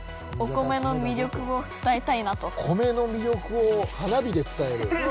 米の魅力を花火で伝える。